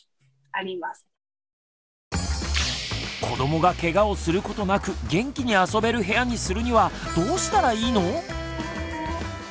子どもがケガをすることなく元気に遊べる部屋にするにはどうしたらいいの？